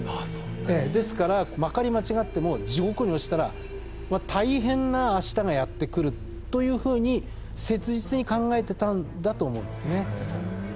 ですからまかり間違っても地獄に落ちたら大変な明日がやって来るというふうに切実に考えてたんだと思うんですね。